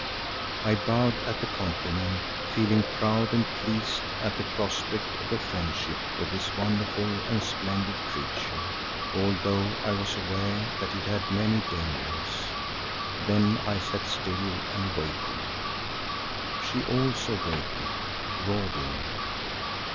I bowed at the compliment, feeling proud and pleased at the prospect of a friendship with this wonderful and splendid creature, although I was aware that it had many dangers. Then I sat still and waited. She also waited, brooding.